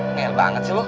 insya allah insya allah